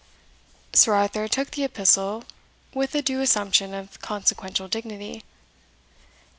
Sir Arthur took the epistle with a due assumption of consequential dignity.